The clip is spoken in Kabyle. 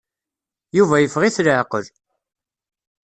Yuba yeffeɣ-it leɛqel.